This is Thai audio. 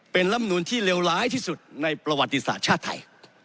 เป็นลำนูนที่เลวร้ายที่สุดในประวัติศาสตร์ชาติไทย